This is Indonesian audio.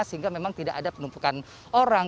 sehingga memang tidak ada penumpukan orang